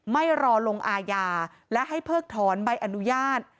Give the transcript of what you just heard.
ไม่รอลงอาญาและให้เพิกถอนใบอนุญาต